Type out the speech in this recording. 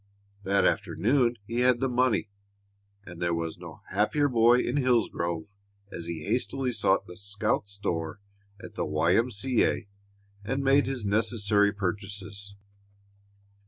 That afternoon he had the money, and there was no happier boy in Hillsgrove as he hastily sought the scout store at the Y. M. C. A. and made his necessary purchases.